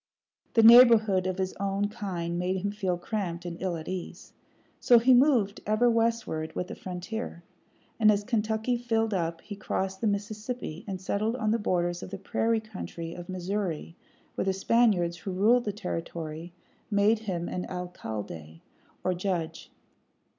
The neighborhood of his own kind made him feel cramped and ill at ease. So he moved ever westward with the frontier; and as Kentucky filled up he crossed the Mississippi and settled on the borders of the prairie country of Missouri, where the Spaniards, who ruled the territory, made him an alcalde, or judge.